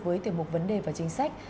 với tiềm mục vấn đề và chính sách